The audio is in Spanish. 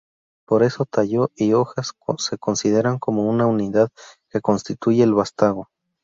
Por eso tallo y hojas se consideran como una unidad que constituye el vástago.